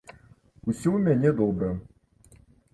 Усё ў мяне добра.